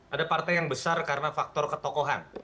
ada partai yang besar karena faktor ketokohan